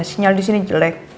sinyal disini jelek